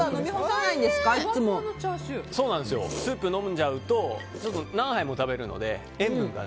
スープを飲んじゃうと何杯も食べるので塩分がね。